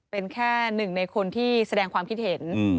เป็นแค่หนึ่งในคนที่แสดงความคิดเห็น